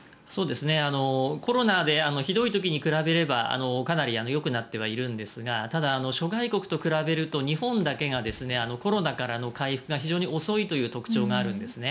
コロナでひどい時に比べればかなりよくなってはいるんですが諸外国と比べると日本だけがコロナからの回復が非常に遅いという特徴があるんですね。